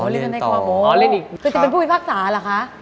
เรียนทนายความคุณเป็นผู้พิพากษาแล้วคะ